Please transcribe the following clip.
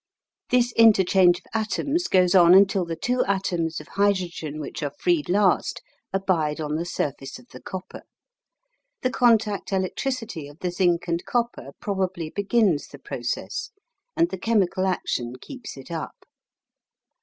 This interchange of atoms goes on until the two atoms of hydrogen which are freed last abide on the surface of the copper. The "contact electricity" of the zinc and copper probably begins the process, and the chemical action keeps it up.